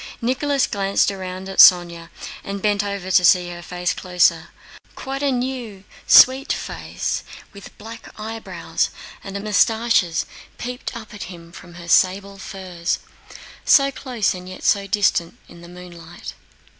Nicholas glanced round at Sónya, and bent down to see her face closer. Quite a new, sweet face with black eyebrows and mustaches peeped up at him from her sable furs—so close and yet so distant—in the moonlight.